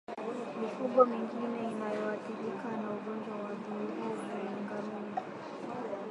Mifugo mingine inayoathirika na ugonjwa wa ndorobo ni ngamia